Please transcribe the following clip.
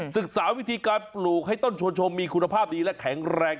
ศึกษาวิธีการปลูกให้ต้นชวนชมมีคุณภาพดีและแข็งแรง